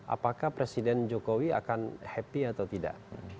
apakah presiden jokowi akan happy atau tidak